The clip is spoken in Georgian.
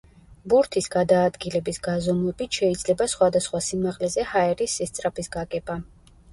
ბურთის გადაადგილების გაზომვებით შეიძლება სხვადასხვა სიმაღლეზე ჰაერის სისწრაფის გაგება.